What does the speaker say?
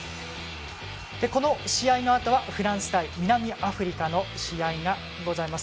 この試合のあとはフランス対南アフリカの試合がございます。